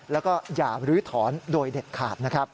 แล้วก็อย่าลื้อถอนโดยเด็ดขาดนะครับ